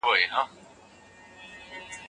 هغه ماشوم چي پوښتنه کوي ځیرک دی.